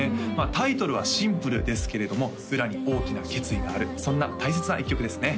タイトルは「シンプル」ですけれども裏に大きな決意があるそんな大切な一曲ですね